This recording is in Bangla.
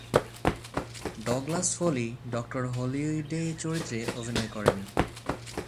ডগলাস ফোলি ডক্টর হলিডে চরিত্রে অভিনয় করেন।